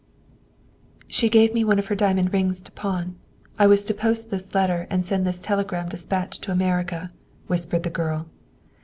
"She gave me one of her diamond rings to pawn. I was to post this letter and to send this telegraph dispatch to America," whispered the girl.